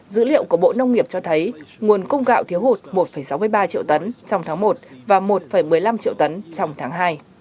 dữ liệu của bộ nông nghiệp cho thấy nguồn cung gạo thiếu hụt một sáu mươi ba triệu tấn trong tháng một và một một mươi năm triệu tấn trong tháng hai